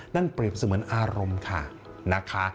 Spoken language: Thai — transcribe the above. นั่นเปรียบเหมือนอารมณ์ค่ะ